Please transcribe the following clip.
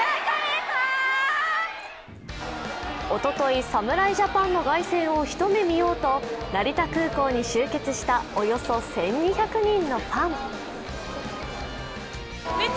おととい、侍ジャパンの凱旋を一目見ようと成田空港に集結したおよそ１２００人のファン。